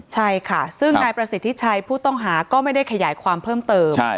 ใช่ค่ะซึ่งนายประสิทธิชัยผู้ต้องหาก็ไม่ได้ขยายความเพิ่มเติม